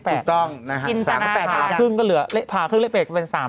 ถูกต้องนะฮะภาพครึ่งก็เหลือภาพครึ่งเลข๘ก็เป็น๓กับ๓